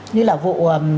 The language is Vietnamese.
như là vụ